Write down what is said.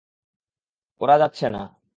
ওরা যাচ্ছে না।